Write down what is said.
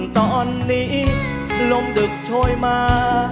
ตอนนี้ลมดึกโชยมา